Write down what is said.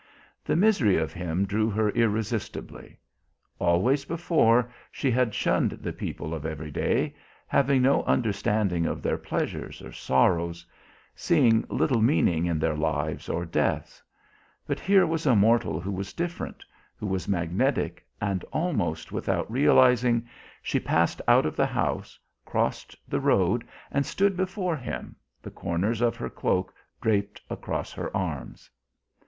The misery of him drew her irresistibly. Always before, she had shunned the people of every day, having no understanding of their pleasures or sorrows, seeing little meaning in their lives or deaths. But here was a mortal who was different, who was magnetic, and, almost without realising, she passed out of the house, crossed the road and stood before him, the corners of her cloak draped across her arms.